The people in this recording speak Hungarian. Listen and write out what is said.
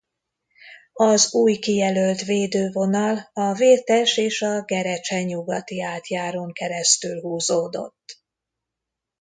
Az új kijelölt védővonal a Vértes és a Gerecse nyugati átjárón keresztül húzódott.